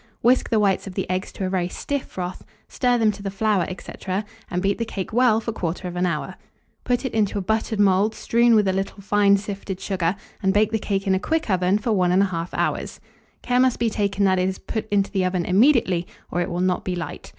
Whisk the whites of the eggs to a very stiff froth, stir them to the flour, &c., and beat the cake well for 1/4 hour. Put it into a buttered mould strewn with a little fine sifted sugar, and bake the cake in a quick oven for 1 1/2 hour. Care must be taken that it is put into the oven immediately, or it will not be light.